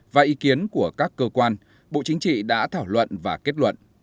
và ý kiến của các cơ quan bộ chính trị đã thảo luận và kết luận